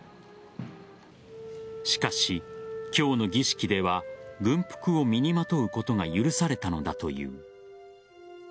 しかし、今日の儀式では軍服を身にまとうことが許されたのだという。